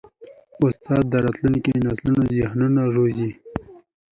استاد د راتلونکي نسلونو ذهنونه روزي.